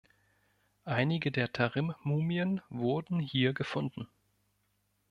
Einige der Tarim-Mumien wurden hier gefunden.